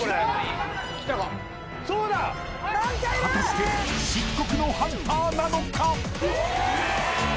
［果たして漆黒のハンターなのか？］